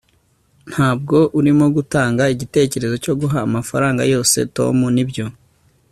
ntabwo urimo gutanga igitekerezo cyo guha amafaranga yose tom, nibyo